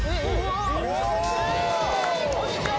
こんにちは！